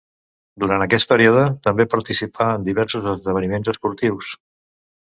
Durant aquest període també participà en diversos esdeveniments esportius.